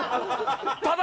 ただ！